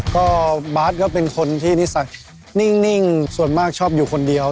ก็บาสก็เป็นคนที่นิสัยนิ่งส่วนมากชอบอยู่คนเดียว